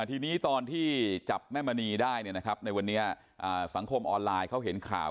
ทีนี้ตอนที่จับแม่มณีได้ในวันนี้สังคมออนไลน์เขาเห็นข่าว